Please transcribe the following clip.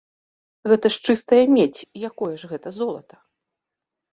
Гэта ж чыстая медзь, якое ж гэта золата?